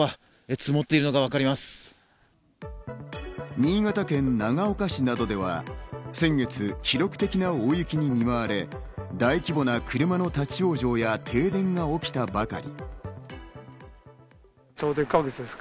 新潟県長岡市などでは、先月、記録的な大雪に見舞われ、大規模な車の立ち往生や停電が起きたばかり。